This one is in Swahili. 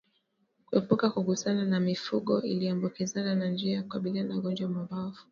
Kuepuka kugusana na mifugo iliyoambukizwa ni njia ya kukabiliana na ugonjwa wa mapafu